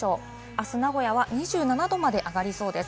あす名古屋は２７度まで上がりそうです。